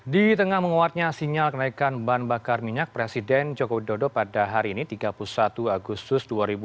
di tengah menguatnya sinyal kenaikan ban bakar minyak presiden joko widodo pada hari ini tiga puluh satu agustus dua ribu dua puluh